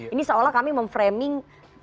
ini seolah kami memframing